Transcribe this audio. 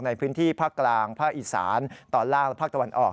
ในพื้นที่ภาคกลางภาคอีสานตอนล่างและภาคตะวันออก